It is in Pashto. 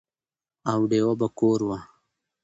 او ډېوه به کور وه،